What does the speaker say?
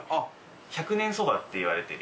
１００年そばって言われてる。